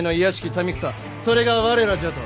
民草それが我らじゃと。